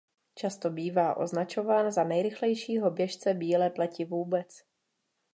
Často bývá označován za nejrychlejšího běžce bílé pleti vůbec.